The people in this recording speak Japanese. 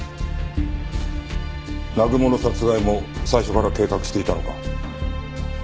南雲の殺害も最初から計画していたのか？